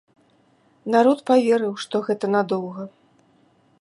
Народ паверыў, што гэта надоўга.